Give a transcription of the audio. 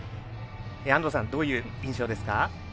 安藤さん、どういう印象ですか。